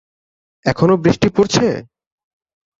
এখনো বৃষ্টি পরছে?